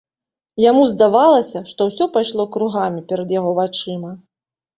Яму здавалася, што ўсё пайшло кругамі перад яго вачыма.